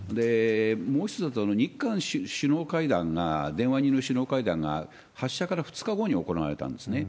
もう一つ、日韓首脳会談が、電話による首脳会談が、発射から２日後に行われたんですね。